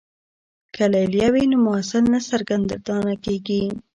که لیلیه وي نو محصل نه سرګردانه کیږي.